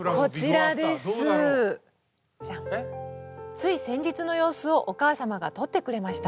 つい先日の様子をお母さまが撮ってくれました。